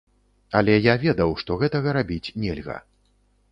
Але я ведаў, што гэтага рабіць нельга.